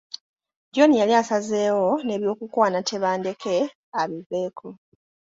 John yali asazeewo n’ebyokukwana Tebandeke abiveeko.